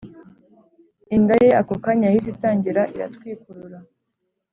Inda ye ako kanya yahise itangira iratwikurura